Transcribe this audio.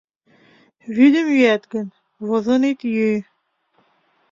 Вӱдым йӱат гын, возын ит йӱ